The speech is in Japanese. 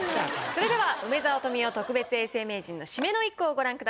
それでは梅沢富美男特別永世名人の締めの一句をご覧ください。